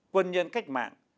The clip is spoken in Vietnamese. quân nhân cách mạng